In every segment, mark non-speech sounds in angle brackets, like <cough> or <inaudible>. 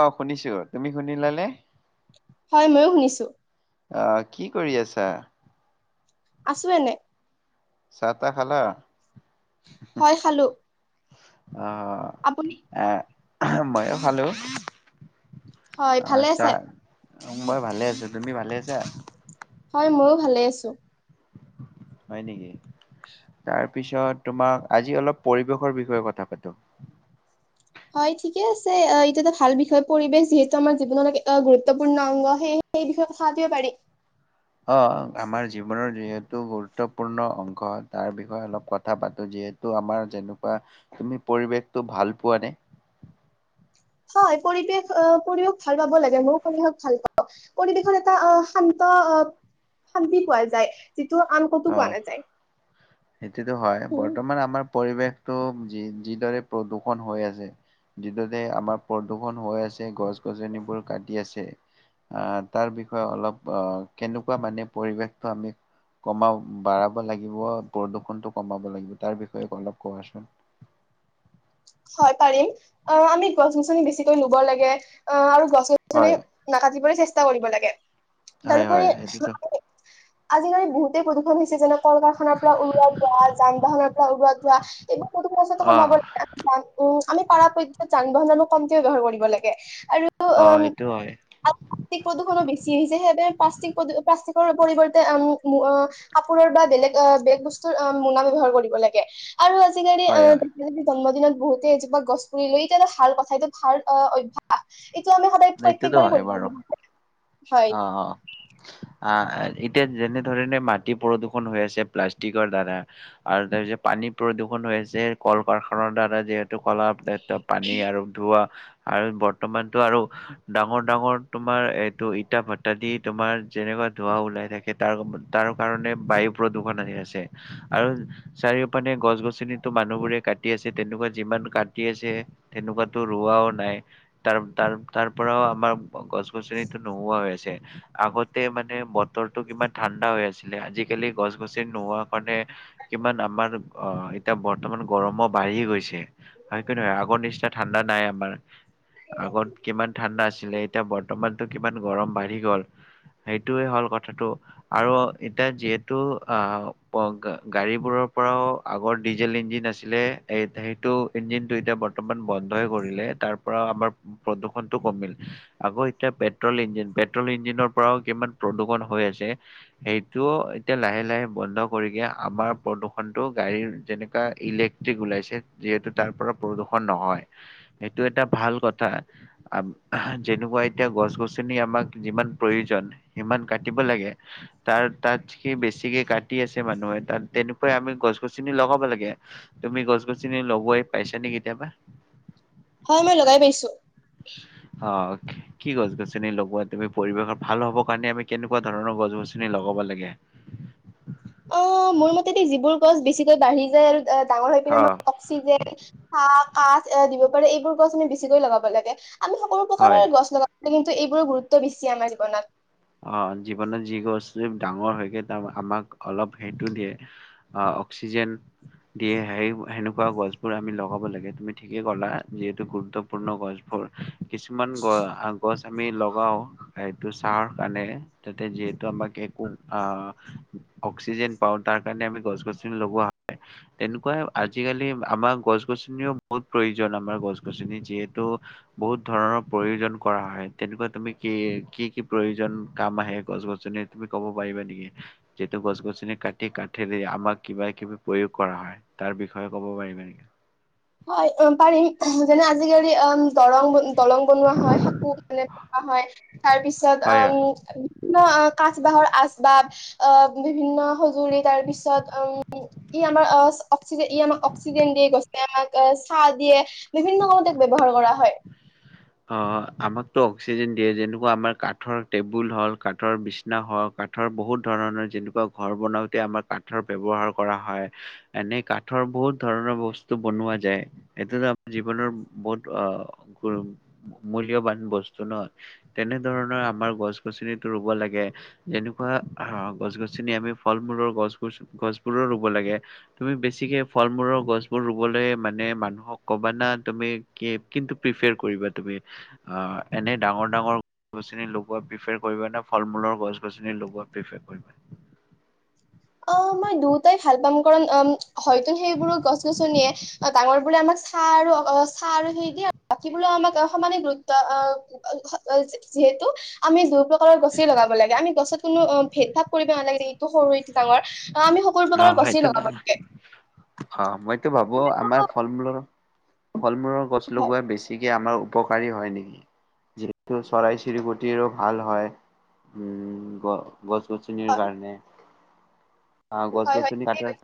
আহ, শুনিছো। তুমি শুনিলানে? হয়, ময়ো শুনিছো। আহ, কি কৰি আছা? আছো এনে। চাহ-তা খালা? হয় খালো। আপুনি অ', আহ ময়ো খালো। হয়, আহ ভালে আছে? চাহ মই ভালে আছো, তুমি ভালে আছা? হয়, মইও ভালে আছো। হয় নেকি? তাৰ পিছত তোমাৰ, আজি অলপ পৰিৱেশৰ বিষয়ে কথা পাতো। হয় ঠিকে আছে, এইটো এটা ভাল বিষয়, পৰিৱেশ যিহেতু আমাৰ জীৱনত গুৰুত্বপূৰ্ণ অংগ। সে-সেই বিষয়ে কথা পাতিব পাৰি। অ', আমাৰ জীৱনৰ যিহে গুৰুত্বপূৰ্ণ অংশ তাৰ বিষয়ে অলপ কথা পাতো, যিহেতু আমাৰ যেনেকুৱা তুমি পৰিৱেশটো ভাল পোৱা নে? হয়, পৰিৱেশ আহ, পৰিৱেশ ভাল পাব লাগে, মইও পৰিৱেশ ভাল পওঁ, পৰিৱেশত এটা অ', শান্ত অ', শান্তি পোৱা যায়। যিটো আন ক'তো অ পোৱা নাযায়। সেইটোতো হয়, উম, বৰ্তমান আমাৰ পৰিৱেশটো যি-যিদৰে প্ৰদূষণ হৈ আছে, যিদৰে আমাৰ প্ৰদূষণ হৈ আছে, গছ গছনিবোৰ কাটি আছে, আহ তাৰ বিষয়ে অলপ আহ, কেনেকুৱা মানে পৰিৱেশটো আমি কমাব বাঢ়াব লাগিব, প্ৰদূষণটো কমাব লাগিব, তাৰ বিষয়ে অলপ কোৱাচোন। হয় পাৰিম, অ', আমি গছ গছনি বেছিকৈ লুব লাগে, অ', আৰু গছ গছনি হয় নাকাতিবলৈ চেষ্টা কৰিব লাগে। হয় তাৰোপৰি হয় সেইটোতো আজিকালি বহুতে পপ্ৰদূষণ হৈছে, যেনে কল কাৰখানাৰ পৰা উৰুৱা ধোৱা, যান বাহনৰ পৰা উৰুৱো ধোৱা, এইবোৰ অ <unintelligible> উম, আমি পাৰা-পক্ষত যান বাহন আনো কমকৈ ব্যৱহাৰ কৰিব লাগে। আৰু অ উম, সেইটো হয় <unintelligible> পিক প্ৰদূষণো বেছি হৈছে, সেইবাবে প্লাষ্টিক প্ৰদু অ', প্লাষ্টিক তাৰ পৰিৱৰ্তে আম ম কাপোৰৰ বা বেলেগ অ বেলেগ বস্তুৰ মোনা ব্যৱহাৰ কৰিব লাগে। আৰু আজিকালি অ হয় হয় <inaudible> জন্মদিনত বহুতে এজোপা গছ পুুলি ৰুই এতি এটা ভাল কথা এইটো ভাল অভ্যাস। এতিয়া আমি সদায় প্ৰত্যেক বাৰেই কৰিব <unintelligible> হ হ। আ এ, এতিয়া যেনে ধৰণে মাটি প্ৰদূষণ হৈ আছে প্লাষ্টিকৰ দ্বাৰা। আৰু তাৰপিছত পানী প্ৰদূষণ হৈ আছে কল কাৰখানাৰ দ্বাৰা যিহেতু কলা পানী আৰু ধোৱা আৰু বৰ্তমানটো আৰু ডাঙৰ ডাঙৰ তোমাৰ এইটো টা ভাটা দি তোমাৰ যেনেকুৱা ধোঁৱা ওলাই থাকে তাৰ তাৰ কাৰণে বায়ু প্ৰদূষণ আহি আছে। আৰু চাৰিওফানে গছ গছনিতো মানুহবোৰে কাটি আছে, তেনেকুৱা যিমান কাটি আছে, তেনেকুৱাতো ৰোৱাও নাই। তাৰ তাৰ তাৰ পৰাও আমাৰ গছ গছনি হৈ আছে। আগতে মানে বতৰটো কিমান ঠাণ্ডা হৈ আছিলে, আজিকালি গছ গছনি নোহোৱা কাৰণে কিমান আমাৰ অহ এতিয়া বৰ্তমান গৰমো বাঢ়ি গৈছে। হয় কি নহয় আগৰ নিচিনা ঠাণ্ডা নাই আমাৰ আগত কিমান ঠাণ্ডা আছিলে, এতিয়া বৰ্তমান কিমান গৰম বাঢ়ি গল, সেইটোৱে হ'ল কথাটো আৰু এতিয়া যিহেতু আহ গাড়ীবোৰৰ পৰাও আগৰ ডিজেল ইঞ্জিন আছিলে, সেইটো ইঞ্জিনটো এতিয়া বৰ্তমান বন্ধই কৰিলে। তাৰ পৰা আমাৰ প্ৰদূষণটো কমিল। আকৌ এতিয়া পেট ট্ৰল ইঞ্জিন। পেট্ৰল ইঞ্জিনৰপৰাও কিমান প্ৰদূষণ হৈ আছে, সেইটো এতিয়া লাহে লাহে বন্ধ কৰিকে আমাৰ প্ৰদূষণটো গাড়ীৰ যেনেকুৱা ইলেক্ট্ৰিক ওলাইছে, যিহেতু তাৰপৰা প্ৰদূষণ নহয়। সেইটো এটা ভাল কথা। আব যেনেকুৱা এতিয়া গছ গছ ছনি আমাক যিমান প্ৰয়োজন, সিমান কাটিব লাগে। তাৰ তাত সি বেছিকৈ কাট টি আছে মানুহে। তাত তেনেকুৱাই আমি গছ গছনি লগাব লাগে। তুমি গছ <unintelligible> লগোৱাই পাইছা নে কেতিয়াবা? হয়, মই লগাই পাইছোঁ। অ, কি গছ গছনি লগোৱা তুমি, পৰিৱেশৰ ভাল হব কাৰণে আমি কেনেকুৱা ধৰণৰ গছ গছনি লগাব লাগে? অ মোৰ মতদি যিবোৰ গছ বেছিকৈ বাঢ়ি যায় আৰু অ, ডাঙৰ হৈ পিনে অ ম অক্সিজেন, শাক আচ, এয়া দিব পাৰে, এইবোৰ গছ আমি বেছিকৈ লগাব লাগে। আমি সকলো হয়। প্ৰকাৰয়ে‌ গছ লগা কিন্তু এইবোৰৰ গুৰুত্ব বেছি আমাৰ জীৱনত। অ, জীৱনত যি গছ ডাঙৰ হয়গে, তাৰপা আমাক অলপ সেইটো দিয়ে, অ অক্সিজেন দিয়ে হেই সেনেকুৱা গছবোৰ আমি লগাব লাগে তুমি ঠিকেই কলা। যিহেতু গুৰুত্বপূৰ্ণ গছবোৰ, কিছুমান গ গছ আমি লগাও, এইটো ছাঁৰ কাৰণে, তাতে যিহেতু আমাক একো আ অক্সিজেন পাওঁ, তাৰ কাৰণে আমি গছ গছনি লগোৱা হয়। তেনেকুৱা আজিকালি আমাৰ গছ গছনিও বহুত প্ৰয়োজন আমাৰ গছ গছনি যিহেতু বহুত ধৰণৰ প্ৰয়োজন কৰা হয়, তেনেকুৱা তুমি কি কি কি প্ৰয়োজন কাম আহে গছ গছনি, তুমি কব পাৰিবা নেকি, যিটো গছ গছনি কাটি কাঠেদি আমাক কিবা কিবি প্ৰয়োগ কৰা হয়, তাৰ বিষয়ে কব পাৰিবা নেকি? হয়, অ পাৰিম। যেনে আজিকালি অম দৰং দলং বনোৱা হয়, সাঁকো মানে <unintelligible> হয়। তাৰ পিছত হয় হয় অম কাঠ বাহৰ আচ বা অ বিভিন্ন সঁজুলি, তাৰ পিছত উম ই আমাৰ অচ অক্সিজেন ই আমাক অক্সিজেন দি গছে আমাক। অ ছাঁ দিয়ে। বিভিন্ন কামত তেওঁক ব্যৱহাৰ কৰা হয়। অ, আমাকতো অক্সিজেন দিয়ে। যেনেকুৱা আমাৰ কাঠৰ টেবুল হল, কাঠৰ বিচনা হওঁক, কাঠৰ বহুত ধৰণৰ যেনেকুৱা ঘৰ বনাওঁতে আমাৰ কাঠৰ ব্যৱহাৰ কৰা হয়। এনেই কাঠৰ বহুত ধৰণৰ বস্তু বনোৱা যায়। এইটোতো আমাৰ জীৱনৰ বহুত অ মূল্যবান বস্তু ন? তেনেধৰণৰ আমাৰ গছ গছনিটো ৰুব লাগে। যেনেকুৱা গছ গছনি আমি ফল মূলৰ গছ গছ গছবোৰো ৰুব লাগে। তুমি বেছিকে ফল মূলৰ গছবোৰ ৰুবলৈ মানে মানুহক কবানা তুমি কি কিন্তু প্ৰিফয়াৰ কৰিবা? তুমি অ এনেই ডাঙৰ ডাঙৰ <unintelligible> গছনি লগোৱা প্ৰিফাৰ কৰিবা নে ফল মূলৰ গছ গছনি লগোৱা প্ৰিফাৰ কৰিবা? অ মই দুইটাই ভাল পাম, কাৰণ অম, হয়তো সেইবোৰ ও গছ গছনিয়ে। ডাঙৰ বোৰে আমাক ছাঁ আৰু <unintelligible> ছাঁ আৰু সেই দিয়ে, <unintelligible> আমাক অ সমানে গুৰুত্ব, অ <unintelligible> যিহেতু। আমি <unintelligible> অ, গছে লগাব লাগে। আমি গছত কোনো অ ভেদ ভাৱ কৰিব নালাগে টো সৰু ডাঙৰ অ আমি সকলো অ প্ৰকাৰৰ গছে সেইটো লগাব লাগে। টো ভাবো আমাৰ ফল মূলৰ ফল মূৰ গছ হয় লগাই বেছিকে আমাৰ উপকাৰী হয় নেকি। যিহেতু চৰাই চিৰিকটিৰো ভাল হয়। উম গ গছ গছনিৰ কাৰণে অ, গছ হয় হয় হয়। গছুনি কটাৰ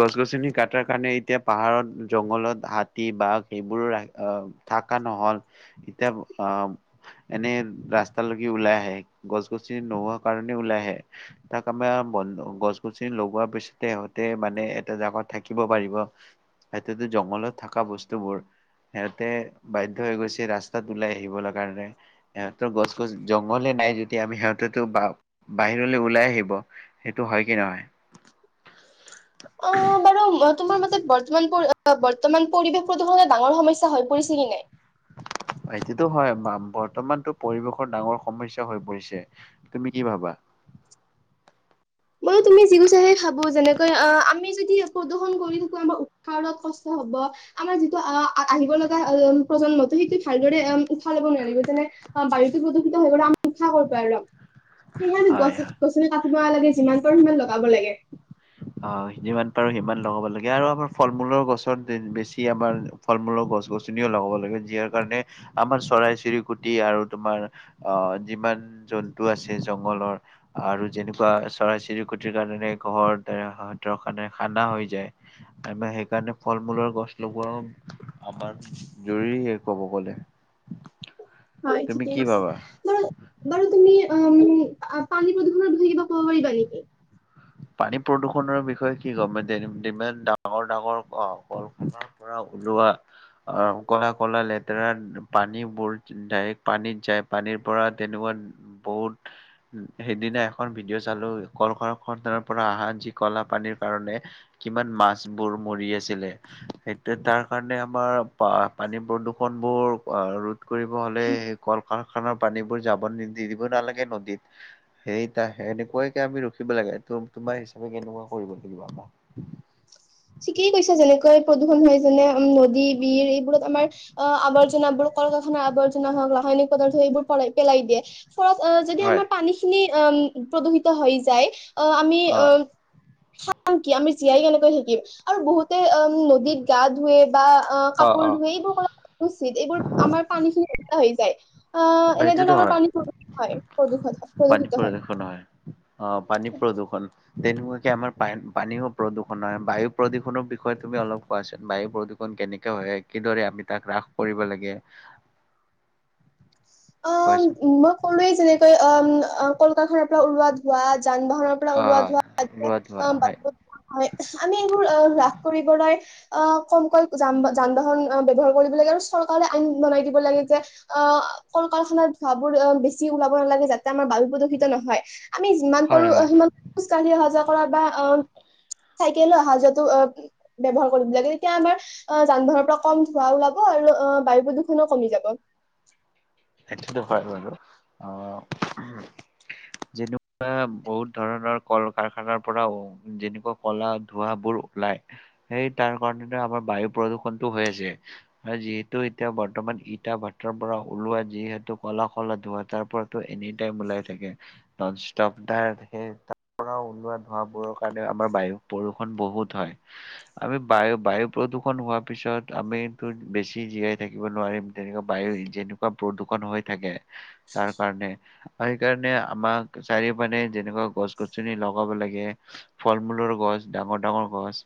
গছ গছনি কটাৰ কাৰণে এতিয়া পাহাৰত, জংঘলত হাতী বা সেইবোৰ আহ থকা নহল। এতিয়া আহ এনে ৰাস্তালৈকে ওলাই আহে। গছ গছনি নোহোৱা কাৰণে ওলাই আহে। তাক আমাৰ ব গছ গছনি লগোৱাৰ পিছতে সিহঁতে মানে এটা জাগাত থাকিব পাৰিব। সিহঁতেতো জংঘলত থকা বস্তুবোৰ সিহঁতে বাধ্য় হৈ গৈছে ৰাস্তাত ওলাই আহিবলৈ কাৰণে। সিহঁতৰ গছ গছ জংঘলে নাই যদি আমি সিহঁতে বা বাহিৰলৈ ওলাই আহিব টো হয় কি নহয়। অ বাৰু তোমাৰ মতে বৰ্তমান পৰি বৰ্তমান পৰিৱেশ প্ৰদূষণে ডাঙৰ সমস্যা হৈ পৰিছে নে নাই? সটো হয়। বৰ্তমানতটো পৰিৱেশৰ ডাঙৰ সমস্যয়া হৈ পৰিছে। তুমি কি ভাবা? মইো তুমি যিকৈছা সেই ভাবো। যেনেকৈ অ আমি যদি প্ৰদূ্ষন কৰি থাকো আমাৰ উৎসাহত কষ্ট হব। আমাৰ যিটো আহিব লগা প্ৰজন্মটো সেইটো ভালদৰে উশাহ লব নোৱাৰিব। যেনে বাৰীতো প্ৰদূষিত হৈ গ' উশা কৰ পৰা লম। সেইকাৰণে হয় গছ-গছনে কাটিব নালাগে ইমান লগাব লাগে। আহ যিমান পাৰো সিমান লগাব লাগে। আৰু আমাৰ ফল মূলৰ গছত বেছি আমাৰ ফল মূলৰ গছ গছনিও লগাব লাগে। যিয়াৰ কাৰণে আমাৰ চৰাই চিৰিকুটি আৰু তোমাৰ আহ যিমান জন্তু আছে জংঘলৰ আৰু যেনেকুৱা চৰাই চিৰিকুটিৰ কাৰণে ঘৰ সহতৰ কাৰে খানা হৈ যায়। আৰু সেইকাৰণে ফল মূলৰ গছ লগোৱাও আমাৰ জৰুৰী ক'ব গলে। হয় তুমি ঠিকেই কি কৈছে। ভাবা বাৰ, বাৰ, তুমি অ পানী প্ৰদূষণত বিষয়ে কিবা কব পাৰিবা নেকি? পানী প্ৰদূষনৰৰ বিষয়ে কি ক'ম এতিয়া ডাঙৰ ডাঙৰ কলখনৰ পৰা ওলোৱা অহ, কলা, কলা লে লেতেৰা পানীবোৰ ডাইৰেক্ট পানীত যায়। পানীৰ পৰা তেনেকুৱা বহুত, সেইদিনা এখন ভিডিঅ' চালো কলকাৰখানা পৰা অহা যি কলা পানীৰ কাৰণে কিমান মাছবোৰ মৰি আছিলে। সেইয়া তাৰ কাৰণে আমাৰ পানী প্ৰদূষণ বোৰ ৰোধ কৰিব হ'লে সেই কল খৰ পানীবোৰ যাব নি দিব নালাগে নদীত। সেইত সেনেকুৱাকে আমি ৰখিব লাগে। তটো তোমাৰ হিচাপে কেনেকুৱা কৰিব লাগিব আমাৰ ঠিকেই কৈছো, যেনেকৈ প্ৰদূষণ হয় যেনে নদী বিৰ এইবোৰত আমাৰ আৱৰ্জনাবোৰ কল-কাৰখানাৰ আৱৰ্জনা হওঁক ৰাসায়নিক পদাৰ্থ এইবোৰ পাই পেলাই দিয়ে। ফলত অ', যদি হয় আমাৰ পানী খিনি অম, প্ৰদূহিত হৈ যায়। অ', আমি অ অম। খাম কি? আমি জীয়াই কেনেকৈ থাকিম? আৰু বহুতে অ' নদীত গা ধুৱে বা অ', কাপোৰ ধুৱে এইবোৰ কৰা অনুচিত এইবোৰ আমাৰ পানীখিনি লেতৰা হৈ তাই এইটোতো হয় প্ৰদূষত পানী প্ৰদূষিত প্ৰদূৰষণ হয় অহ ', পানী প্ৰদূৰ্ষণ তেনেকুৱাকে আমাৰ প পানীয়ো প্ৰদূষন হয় বায়ু প্ৰদূৰণৰ বিষয়ে তুমি অলপ কোৱাচোন বায়ু প্ৰদূৰ্ষণ কেনেকে হয় কিদৰে আমি তাক হ্ৰাস কৰিব লাগে। অহ কোৱাচোন ', মই কলোৱে যেনেকৈ অহ ', কল কাৰখানাৰ পৰা ওলোৱাত ধোৱাত যান বাহনৰ পৰা হয় ওলোৱা হয় ধোৱাত লোৱা <unintelligible> আ ধোৱা হয় বাধ আমি এইবোৰ আহ', হ্ৰাস কৰিবলৈ আহ', কমকৈ যান বাহন ব্যৱহাৰ কৰিব লাগে আৰু চৰকাৰে আইন বনাই দিব লাগে যে আহ', কল ক খাত ধোৱাবোৰ বেছি ওলাব নালাগে যাতে আমাৰ বায়ু প্ৰদূষিত নহয়। আমি যিমান হয় পাৰো অহ হয় ', সিমান খোজ কঢ় অহা যোৱাত কৰা বা আহ', চাইকেলো অহা যোৱাটো ব্যৱহাৰ কৰিব লাগে। তেতিয়া আমাৰ আহ', যান বাহনৰ পৰা কম ধোঁৱা ওলাব আৰু আহ', বায়ু প্ৰদূ্ষনো কমি যাব। সেইটো হয়-হয়-হয় বাৰু আহ', যেনেকুৱা বহুত ধৰণৰ কল কাৰখানাৰ পৰা যেনেকুৱা কলা ধোৱাবোৰ ওলাই সেই তাৰ কাৰনে আমাৰ বায়ু প্ৰদূষনটো হৈ আছে আৰু যিহেতু এতিয়া বৰ্তমান ইটা ভাটাৰ পৰা ওলোৱা যিহেতু কলা- কলা ধোঁৱা তাৰ পৰাতো এনি টাইম ওলাই থাকে। নন ষ্টপাৰ সেই তাৰ পৰা ওলোৱা ধোঁৱাবোৰৰ কাৰণে আমাৰ বায়ু প্ৰদূষণ বহুত হয়। আমি বায়ু-বায়ু প্ৰদূষণ হোৱাৰ পিছত আমি বেছি জীয়াই থাকিব নোৱাৰিম তেনেকুৱা বায়ু যেনেকুৱা প্ৰদূৰষন হৈ থাকে তাৰ কাৰণে আৰু সেইকাৰণে আমাক চাৰিওফে যেনেকুৱা গছ গছনি লগাব লাগে, ফল মূলৰ গছ ডাঙৰ ডাঙৰ গছ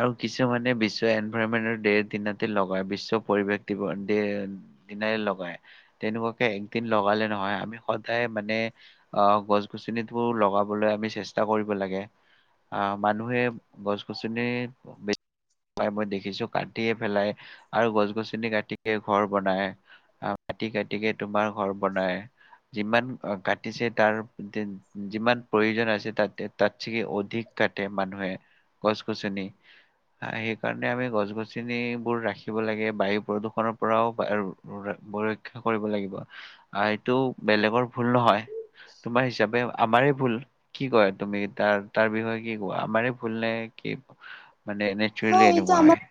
আৰু কিছুমানে বিশ্ব এনভাইৰনমেন্ট ডৰ দিনাতে লগাই বিশ্ব পৰিৱেশ দিৱস ডে দিনাৰে লগায় তেনেকুৱাকে একদিন লগালে নহয় আমি সদায় মানে অহ ', গছ গছনিটো লগাবলৈ আমি চেষ্টা কৰিব লাগে অহ ', মানুহে গছ গছনি বেছি পায় মই দেখিছো কাটিয়ে পেলাই আৰু গছ গছনি কাটে ঘৰ বনাই। মাটি কাটিকে তোমাৰ ঘৰ বনাই। যিমান কাটিছে তাৰ যিমান প্ৰয়োজন আছে তাতে তাত ছাগে অধিক কাটে মানুহে গছ গছনি সেইকাৰণে আমি গছ গছনিবোৰ ৰাখিব লাগে বায়ু প্ৰদূষণৰ পৰাও ৰক্ষা কৰিব লাগিব আহ', এইটো বেলেগৰ ভুল নহয়। তোমাৰ হিচাপে আমাৰে ভুল কি কয় তুমি তাৰ-তাৰ বিষয়ে কি কোৱা আমাৰ ভুল নে কি? মানে নেচাৰলী এনেকুৱা হয়।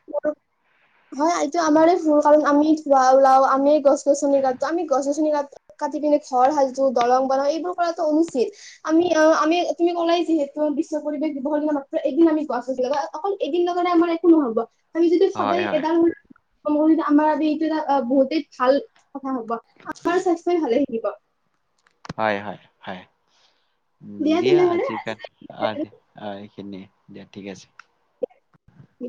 হয় এইটো আমাৰ ভুল কাৰণ আমি ধোৱা ওলাও আমি গছ গছনি কাটো আমি গছ গছনি কা কাটি পিনে ঘৰ সাজো দলং বনাও এইবোৰ কৰাটো অনুচিত। আমি আমি তুমি কলাই যিহেতু বিশ্ব পৰিৱেশ দিৱসৰ দিনা মাত্ৰ এদিন আমি গছ গছনি ক অকল এইদিন লগালে আমাৰ একো নহব। আমি যদি হয় সদায় হয় এদ <unintelligible> আমাৰ আজি এইটো এটা বহুতেই ভাল। কথা হ'ব আমাৰ স্বাস্থ্যই ভালেই। থাকিব। হয় - হয় উম দিয়া আজি ক অহ', দিয়া অহ', এইখিনিয়ে। দিয়া ঠিক আছে। কি?